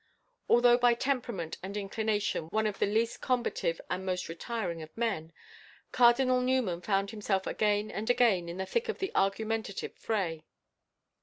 Although by temperament and inclination one of the least combative and most retiring of men, Cardinal Newman found himself again and again in the thick of the argumentative fray.